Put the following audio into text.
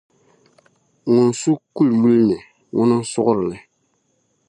Ŋun su kuli yuli ni, ŋuna n-surigiri li.